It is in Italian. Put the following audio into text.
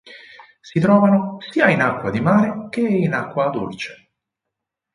Si trovano sia in acqua di mare che in acqua dolce.